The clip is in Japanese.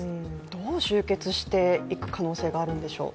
どう終結していく可能性があるんでしょう？